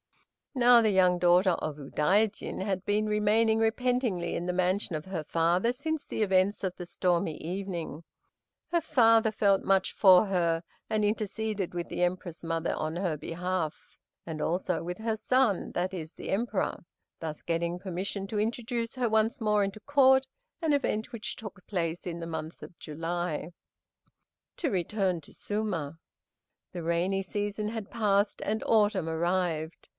Now the young daughter of Udaijin had been remaining repentingly in the mansion of her father since the events of the stormy evening. Her father felt much for her, and interceded with the Empress mother in her behalf, and also with her son, that is, the Emperor, thus getting permission to introduce her once more into Court, an event which took place in the month of July. To return to Suma. The rainy season had passed, and autumn arrived.